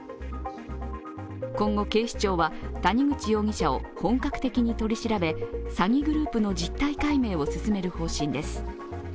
今後、警視庁は谷口容疑者を本格的に取り調べ詐欺グループの実態解明を進める方針です。